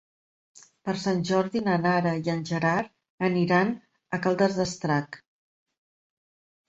Per Sant Jordi na Nara i en Gerard iran a Caldes d'Estrac.